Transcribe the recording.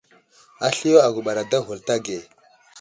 Asliyo aguɓar ada ghulta age.